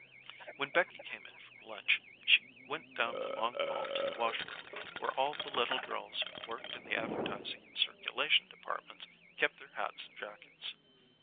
When Becky came in from lunch she went down the long hall to the wash room, where all the little girls who worked in the advertising and circulation departments kept their hats and jackets.